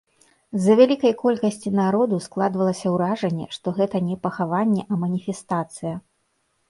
З-за вялікай колькасці народу складвалася ўражанне, што гэта не пахаванне, а маніфестацыя.